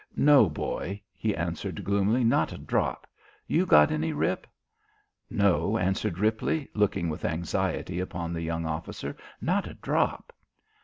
"No, boy," he answered gloomily. "Not a drop. You got any, Rip?" "No," answered Ripley, looking with anxiety upon the young officer. "Not a drop."